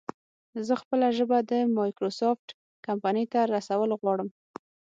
زه خپله ژبه په مايکروسافټ کمپنۍ ته رسول غواړم